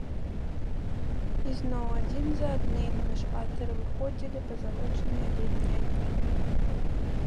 І зноў адзін за адным на шпацыр выходзілі пазалочаныя летнія дні.